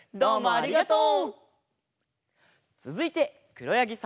ありがとう。